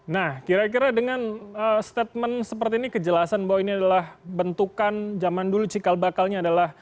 nah kira kira dengan statement seperti ini kejelasan bahwa ini adalah bentukan zaman dulu cikal bakalnya adalah